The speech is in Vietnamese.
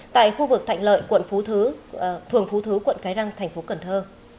tại khu vực thạnh lợi phường phú thứ quận cái răng thành phố cần thơ